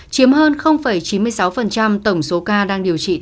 chiếm hơn chín mươi sáu tổng số ca